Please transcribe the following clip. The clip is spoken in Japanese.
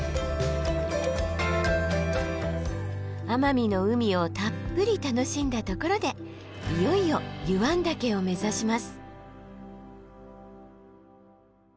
奄美の海をたっぷり楽しんだところでいよいよ湯湾岳を目指します。